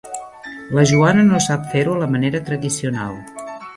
La Joana no sap fer-ho a la manera tradicional.